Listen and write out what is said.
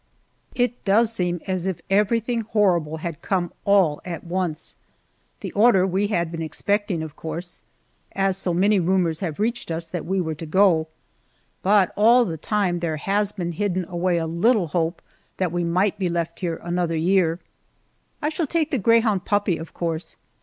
It does seem as if everything horrible had come all at once. The order we have been expecting, of course, as so many rumors have reached us that we were to go, but all the time there has been hidden away a little hope that we might be left here another year. I shall take the greyhound puppy, of course.